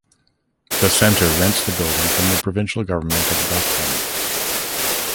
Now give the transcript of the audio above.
The Centre rents the building from the provincial government of Gauteng.